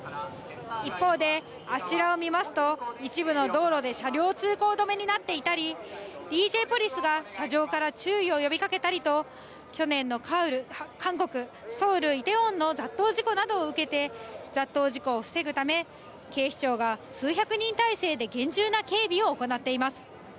一方で、あちらを見ますと、一部の道路で車両通行止めになっていたり、ＤＪポリスが車上から注意を呼びかけたりと、去年の韓国・ソウル・イテウォンの雑踏事故などを受けて、雑踏事故を防ぐため、警視庁が数百人態勢で厳重な警備を行っています。